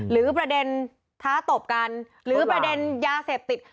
หรือประเด็นท้าตบกันหรือประเด็นยาเสพติด